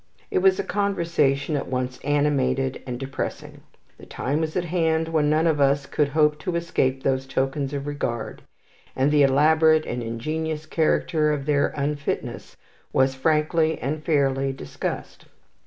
It was a conversation at once animated and depressing. The time was at hand when none of us could hope to escape these tokens of regard, and the elaborate and ingenious character of their unfitness was frankly and fairly discussed.